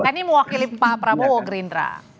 karena ini mewakili pak prabowo gerindra